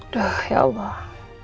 dah ya allah